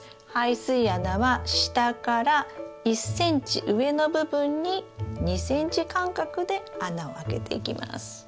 排水穴は下から１ｃｍ上の部分に２ｃｍ間隔で穴を開けていきます。